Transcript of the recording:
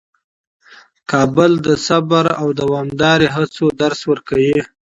کابل د صبر او دوامداره هڅو درس ورکوي.